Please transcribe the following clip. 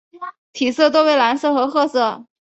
体色多为蓝色和褐色。